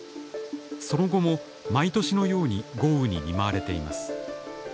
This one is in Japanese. その後も毎年のように豪雨に見舞われています。